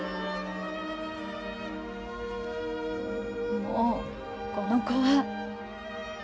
もうこの子は。